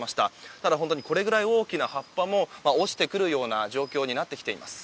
ただ、これぐらい大きな葉っぱも落ちてくるような状況になってきています。